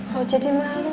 mau jadi malu